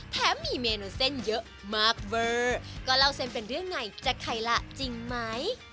มีเมนูเส้นเยอะมากเวอร์ก็เล่าเส้นเป็นเรื่องไงจะใครล่ะจริงไหม